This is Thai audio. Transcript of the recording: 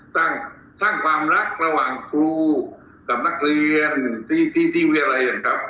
สร้างสร้างความรักระหว่างครูกับนักเรียนที่ที่ที่วีอะไรอ่ะครับ